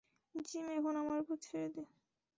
Gym, এখন আমার উপর ছেড়ে দে।